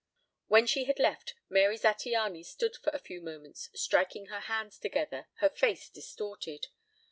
When she had left Mary Zattiany stood for a few moments striking her hands together, her face distorted.